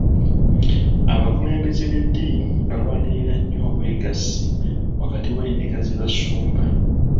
Abakulembeze b'edddiini balwanirira nnyo obwegassi wakati w'endiga ze basumba.